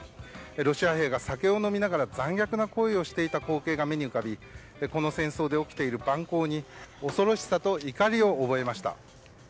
ロシア兵が酒を飲みながら残虐な行為をしていた光景が目に浮かびこの戦争で起きている蛮行に恐ろしさと怒りを覚えました。